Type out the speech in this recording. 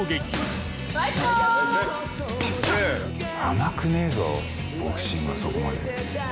甘くねえぞボクシングはそこまで。